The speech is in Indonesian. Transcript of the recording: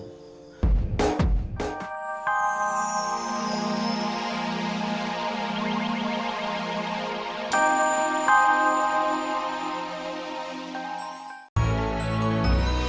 sampai jumpa lagi